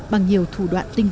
bằng nhiều thủ đoạn tinh tế